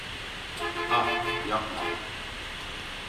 Ah, yapma.